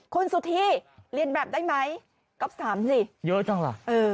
คุณสุธีเรียนแบบได้ไหมก๊อฟถามสิเยอะจังล่ะ